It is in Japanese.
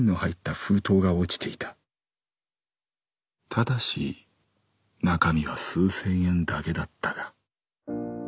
ただし中身は数千円だけだったが」。